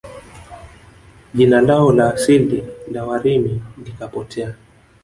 Jina lao la asili la Warimi likapotea